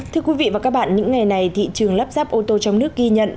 thưa quý vị và các bạn những ngày này thị trường lắp ráp ô tô trong nước ghi nhận